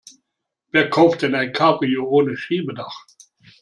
Wer kauft denn ein Cabrio ohne Schiebedach?